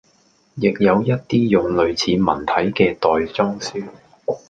亦有一啲用類似文體嘅袋裝書